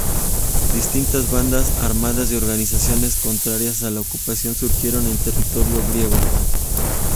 Distintas bandas armadas y organizaciones contrarias a la ocupación surgieron en territorio griego.